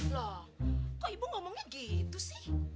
loh kok ibu ngomongnya gitu sih